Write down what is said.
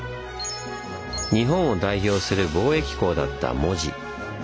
日本を代表する貿易港だった門司。